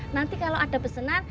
nanti kalau ada pesanan